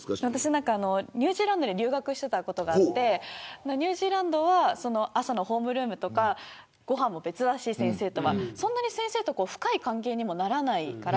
ニュージーランドに留学していたことがあってニュージーランドは朝のホームルームとかご飯も別だし先生と深い関係にならないから。